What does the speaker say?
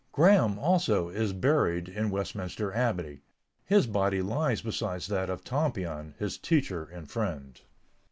Graham, also, is buried in Westminster Abbey; his body lies beside that of Tompion, his teacher and friend.